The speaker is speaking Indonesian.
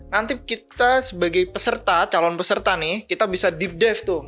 nanti kita sebagai peserta calon peserta nih kita bisa deep deve tuh